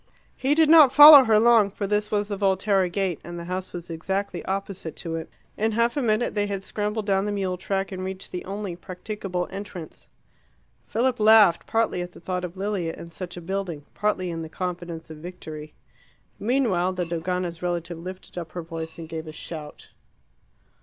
He did not follow her long, for this was the Volterra gate, and the house was exactly opposite to it. In half a minute they had scrambled down the mule track and reached the only practicable entrance. Philip laughed, partly at the thought of Lilia in such a building, partly in the confidence of victory. Meanwhile the Dogana's relative lifted up her voice and gave a shout.